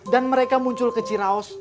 dan mereka muncul ke ciraos